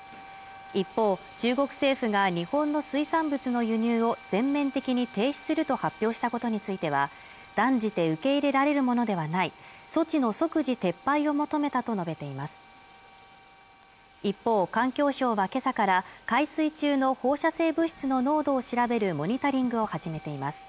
一方中国政府が日本の水産物の輸入を全面的に停止すると発表したことについては断じて受け入れられるものではない措置の即時撤廃を求めたと述べています一方環境省はけさから海水中の放射性物質の濃度を調べるモニタリングを始めています